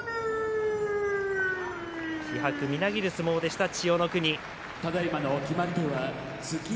気迫みなぎる相撲でした千代の国。